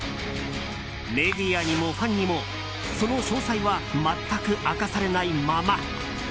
メディアにもファンにもその詳細は全く明かされないまま。